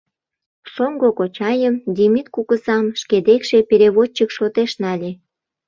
Шоҥго кочайым — Демид кугызам — шке декше переводчик шотеш нале.